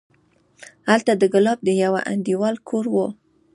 هلته د ګلاب د يوه انډيوال کور و.